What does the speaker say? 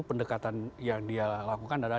pendekatan yang dia lakukan adalah